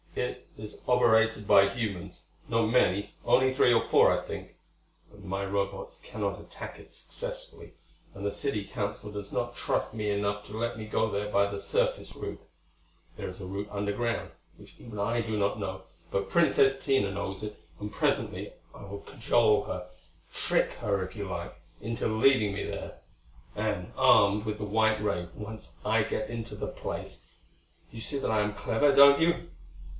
It is operated by humans; not many; only three or four, I think. But my Robots cannot attack it successfully, and the City Council does not trust me enough to let me go there by the surface route. There is a route underground, which even I do not know; but Princess Tina knows it, and presently I will cajole her trick her if you like into leading me there. And, armed with the white ray, once I get into the place You see that I am clever, don't you?"